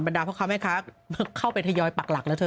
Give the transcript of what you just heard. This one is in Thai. ดาพ่อค้าแม่ค้าเข้าไปทยอยปักหลักแล้วเถ